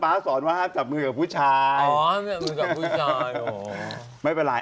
ป๊าสอนว่าห้ามจับมือกับผู้ชายอ๋อห้ามจับมือกับผู้ชายอ๋อ